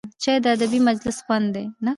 چای د ادبي مجلس خوند دی